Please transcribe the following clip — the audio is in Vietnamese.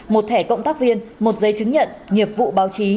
một thẻ cộng tác viên một giấy chứng nhận nghiệp vụ báo chí